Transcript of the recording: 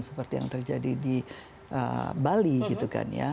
seperti yang terjadi di bali gitu kan ya